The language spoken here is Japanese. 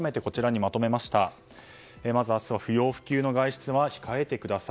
まず明日は不要不急の外出は控えてください。